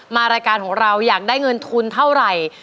รายการของเราอยากได้เงินทุนเท่าไหร่